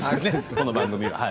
この番組は。